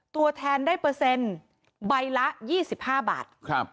ตัวแทนได้เปอร์เซ็นต์ใบละ๒๕บาท